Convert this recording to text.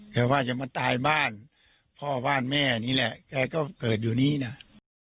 ว่าจะมาตายบ้านพ่อบ้านแม่นี่แหละแกก็เกิดอยู่นี้นะ